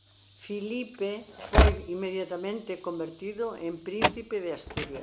Filipe foi inmediatamente convertido en Príncipe de Asturias.